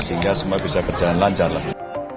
sehingga semua bisa berjalan lancar lagi